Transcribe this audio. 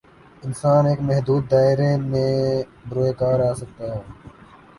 انسان ایک محدود دائرے ہی میں بروئے کار آ سکتا ہے۔